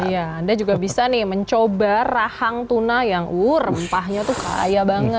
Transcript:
iya anda juga bisa mencoba rahang tuna yang rempahnya itu kaya banget